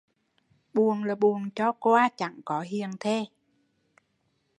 Buồn là buồn cho qua chẳng có hiền thê